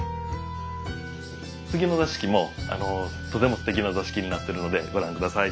次の座敷もとてもすてきな座敷になってるのでご覧ください。